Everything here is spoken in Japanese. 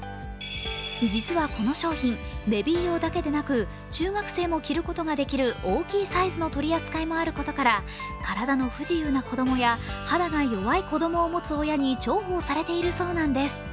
実はこの商品、ベビー用だけでなく中学生も着ることができる大きいサイズの取り扱いもあることから体の不自由な子供や肌が弱い子供を持つ親に重宝されているそうなんです。